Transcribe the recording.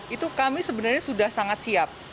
itu kami sebenarnya sudah sangat siap